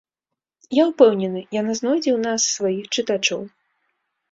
Я ўпэўнены, яна знойдзе ў нас сваіх чытачоў.